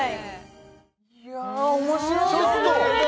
いや面白いですね